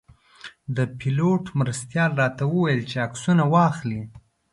د پیلوټ مرستیال راته ویل چې عکسونه واخلئ.